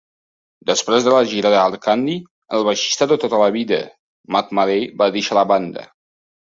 Després de la gira de Hard Candy, el baixista de tota la vida Matt Malley va deixar la banda.